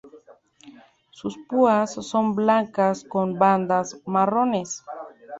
Sus púas son blancas con bandas marrones.